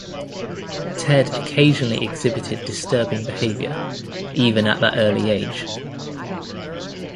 Ted occasionally exhibited disturbing behavior, even at that early age.